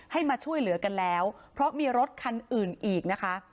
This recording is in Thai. มาช่วยเหลือกันแล้วเพราะมีรถคันอื่นอีกนะคะ